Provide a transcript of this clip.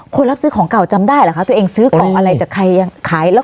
รับซื้อของเก่าจำได้เหรอคะตัวเองซื้อของอะไรจากใครยังขายแล้ว